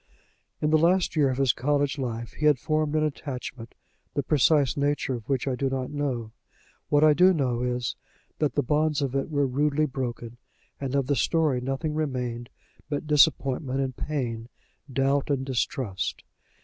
In the last year of his college life he had formed an attachment, the precise nature of which I do not know. What I do know is, that the bonds of it were rudely broken, and of the story nothing remained but disappointment and pain, doubt and distrust.